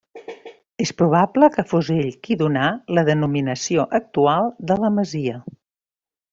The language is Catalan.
És probable que fos ell qui donà la denominació actual de la masia.